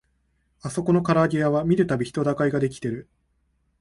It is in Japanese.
あそこのからあげ屋は見るたび人だかりが出来てる